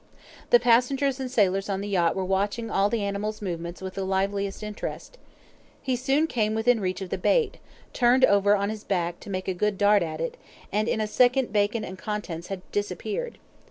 The passengers and sailors on the yacht were watching all the animal's movements with the liveliest interest. He soon came within reach of the bait, turned over on his back to make a good dart at it, and in a second bacon and contents had disappeared.